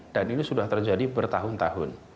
dan ini sudah terjadi bertahun tahun